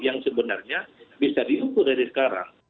yang sebenarnya bisa diukur dari sekarang